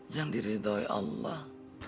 yang diridhoi allah